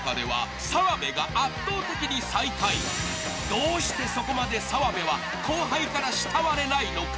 ［どうしてそこまで澤部は後輩から慕われないのか］